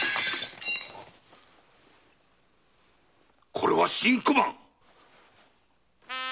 これは新小判！